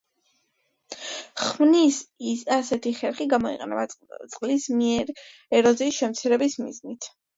ხვნის ასეთი ხერხი გამოიყენება წყლისმიერი ეროზიის შემცირების მიზნით.